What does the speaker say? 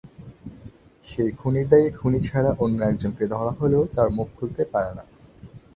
সেই খুনের দায়ে খুনী ছাড়া অন্য একজনকে ধরা হলেও তারা মুখ খুলতে পারে না।